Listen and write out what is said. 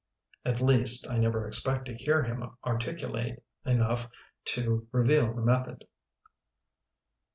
At least, I never expect to hear him ar ticulate enough to reveal the method.